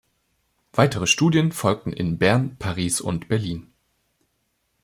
Weitere Studien folgten in Bern, Paris und Berlin.